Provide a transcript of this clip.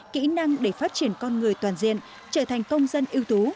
kỹ năng để phát triển con người toàn diện trở thành công dân ưu tú